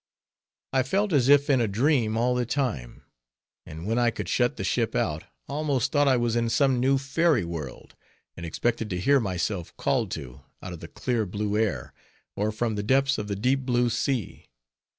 I felt as if in a dream all the time; and when I could shut the ship out, almost thought I was in some new, fairy world, and expected to hear myself called to, out of the clear blue air, or from the depths of the deep blue sea.